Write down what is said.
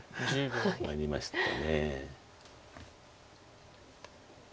参りましたね。